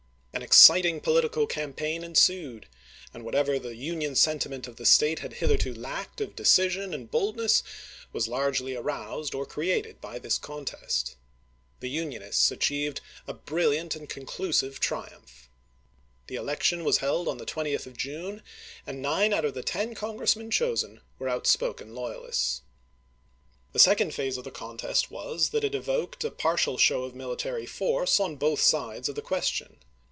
An ex citing political campaign ensued, and whatever the Union sentiment of the State had hitherto lacked of decision and boldness was largely aroused or created bv this contest. The Unionists achieved a brilliant and conclusive triumph. The election was held on the 20th of June, and nine out of the ten Congressmen chosen were outspoken loyalists. The second phase of the contest was, that it evoked a partial show of military force on both sides of the question.